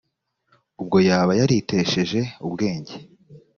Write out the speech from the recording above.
ubwo yaba yaritesheje ubwenge